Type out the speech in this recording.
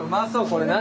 これ何？